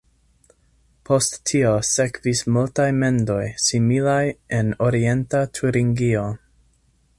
Post tio sekvis multaj mendoj similaj en Orienta Turingio.